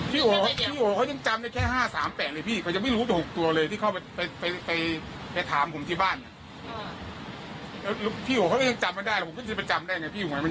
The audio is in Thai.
พี่โหเขายังจำได้แค่๕๓๘เลยพี่เขาจะไม่รู้๖ตัวเลยที่เขาไปถามผมที่บ้านพี่โหเขายังจำได้หรอผมก็จะไปจำได้ไงพี่มันเยอะนะพี่